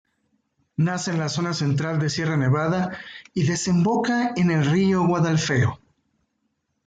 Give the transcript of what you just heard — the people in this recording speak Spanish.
Nace en la zona central de Sierra Nevada y desemboca en el río Guadalfeo.